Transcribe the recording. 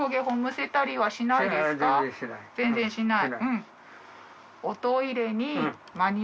全然してない。